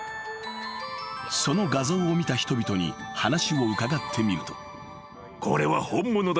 ［その画像を見た人々に話を伺ってみると］